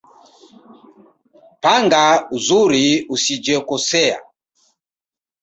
Panga uzuri usijekosea.